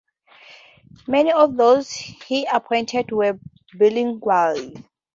Many of those he appointed were bilingual.